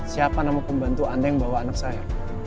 siapa nama pembantu anda yang bawa anak saya